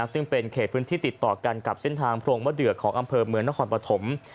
ซึ่งเป็นเขตพื้นที่ติดต่อกันกับเส้นทางโพรงมะเดือของอำเภอเมืองนครปฐม